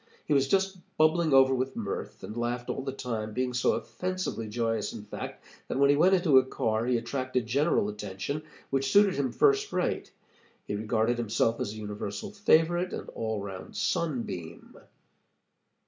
He was just bubbling over with mirth, and laughed all the time, being so offensively joyous, in fact, that when he went into a car, he attracted general attention, which suited him first rate. He regarded himself as a universal favorite and all around sunbeam.